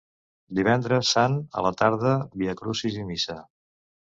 Divendres Sant a la tarda viacrucis i missa.